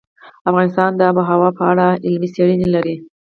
افغانستان د آب وهوا په اړه علمي څېړنې لري.